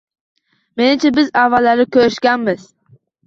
Menimcha, biz avvallari ko'rishganmiz.